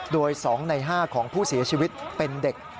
โดย๒ใน๕ของผู้เสียชีวิตเป็นเด็ก